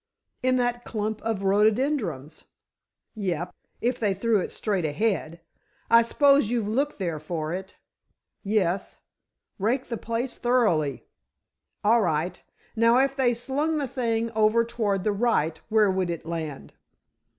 "In that clump of rhododendrons." "Yep; if they threw it straight ahead. I s'pose you've looked there for it?" "Yes, raked the place thoroughly." "All right. Now if they slung the thing over toward the right, where would it land?"